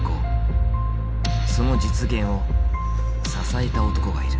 その実現を支えた男がいる。